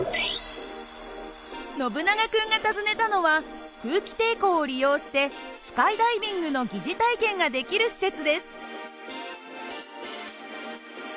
ノブナガ君が訪ねたのは空気抵抗を利用してスカイダイビングの疑似体験ができる施設です。